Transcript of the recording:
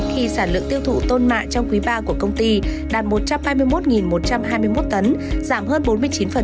khi sản lượng tiêu thụ tôn mạ trong quý ba của công ty đạt một trăm hai mươi một một trăm hai mươi một tấn giảm hơn bốn mươi chín